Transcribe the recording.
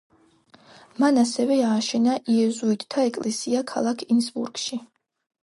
მან ასევე ააშენა იეზუიტთა ეკლესია ქალაქ ინსბრუკში.